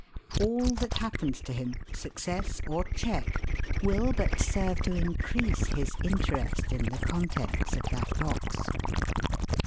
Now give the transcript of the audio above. All that happens to him, success or check, will but serve to increase his interest in the contents of that box.